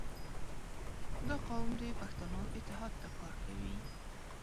• دا قوم د پښتنو اتحاد ته کار کوي.